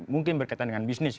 mungkin berkaitan dengan bisnis